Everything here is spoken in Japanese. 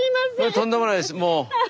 とんでもないですもう。